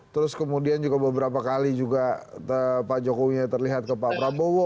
terus kemudian juga beberapa kali juga pak jokowi terlihat ke pak prabowo